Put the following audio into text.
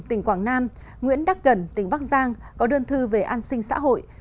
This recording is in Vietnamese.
tỉnh quảng nam nguyễn đắc cẩn tỉnh bắc giang có đơn thư về an sinh xã hội